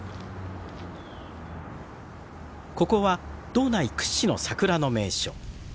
ここは道内屈指の桜の名所。